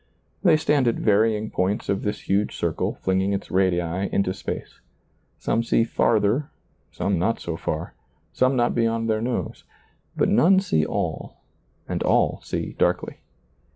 They stand at varying points of this huge circle flinging its radii into space. Some see farther, some not so far, some not beyond ^lailizccbvGoOgle SEEING DARKLY 15 their nose; but none see all, and all see darkly.